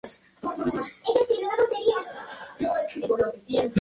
El fondo del conjunto es de color marrón en alusión al hábito franciscano.